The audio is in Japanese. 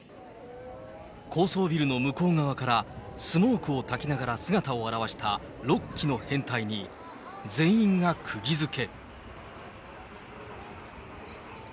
高層ビルの向こう側からスモークを炊きながら姿を現した６機の編隊に、全員がくぎ付け。